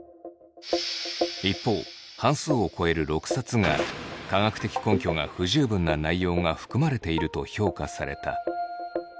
一方半数を超える６冊が「科学的根拠が不十分な内容が含まれている」と評価された。